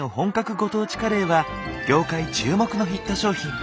ご当地カレーは業界注目のヒット商品。